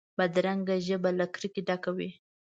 بدرنګه ژبه له کرکې ډکه وي